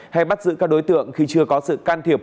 hay bắt giữ các đối tượng khi chưa có sự can thiệp